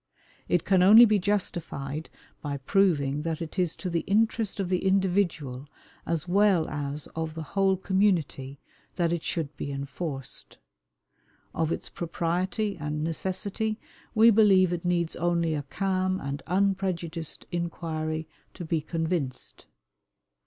It can only be justified by proving that it is to the interest of the individual as well as of the whole community that it should be enforced. Of its propriety and necessity we believe it needs only a calm and unprejudiced inquiry to be convinced.